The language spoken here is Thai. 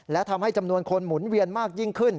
และทำให้จำนวนคนหมุนเวียนมากยิ่งขึ้น